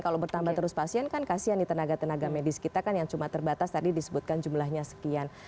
kalau bertambah terus pasien kan kasian di tenaga tenaga medis kita kan yang cuma terbatas tadi disebutkan jumlahnya sekian